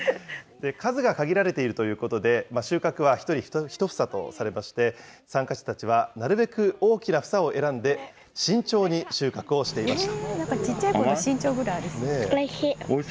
数が限られているということで、収穫は１人１房とされまして、参加者たちはなるべく大きな房を選んで、慎重に収穫をしていました。